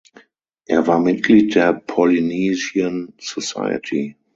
Er war Mitglied der Polynesian Society.